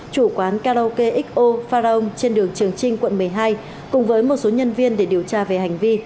chủ quán karaoke xo pharong trên đường trường trinh quận một mươi hai cùng với một số nhân viên để điều tra về hành vi